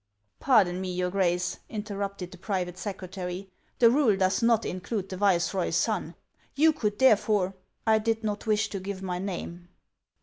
" Pardon me, your Grace," interrupted the private secre tary, " the rule does not include the viceroy's son. You could therefore —" I did not wish to give my name."